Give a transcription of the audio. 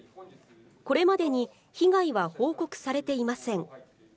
これまでに被害は報告されていません。